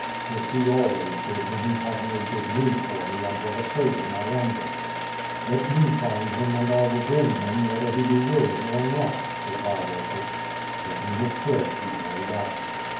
This he always did when he had no good news for me and was afraid of my anger.*' "Let me find him and I will bring him whether he be will ing or not," replied Ursus. Taking his cloak he hurried out.